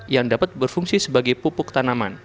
yang dapat berfungsi sebagai pupuk tanaman